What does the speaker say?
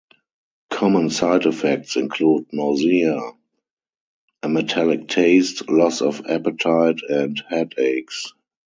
Common side effects include nausea, a metallic taste, loss of appetite, and headaches.